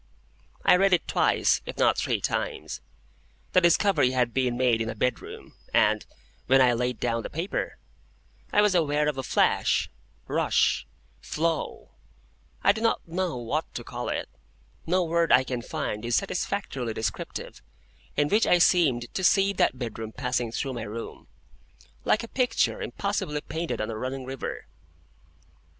I read it twice, if not three times. The discovery had been made in a bedroom, and, when I laid down the paper, I was aware of a flash—rush—flow—I do not know what to call it,—no word I can find is satisfactorily descriptive,—in which I seemed to see that bedroom passing through my room, like a picture impossibly painted on a running river.